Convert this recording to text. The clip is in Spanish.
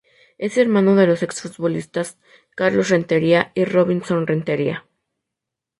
Es hermano de los exfutbolistas Carlos Rentería y Robinson Rentería.